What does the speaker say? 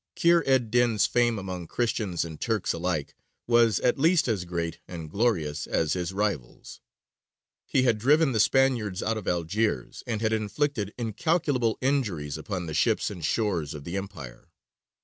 Kheyr ed dīn's fame among Christians and Turks alike was at least as great and glorious as his rival's. He had driven the Spaniards out of Algiers and had inflicted incalculable injuries upon the ships and shores of the Empire.